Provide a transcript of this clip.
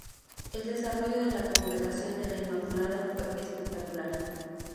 El desarrollo de la Congregación de la Inmaculada fue espectacular.